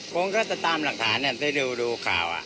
คงก็ตามหลักฐานอ่ะดูข่าวอ่ะ